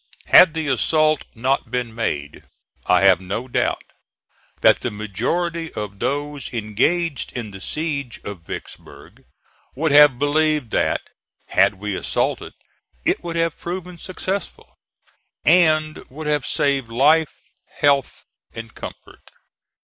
Had the assault not been made, I have no doubt that the majority of those engaged in the siege of Vicksburg would have believed that had we assaulted it would have proven successful, and would have saved life, health and comfort.